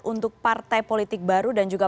untuk partai politik baru dan juga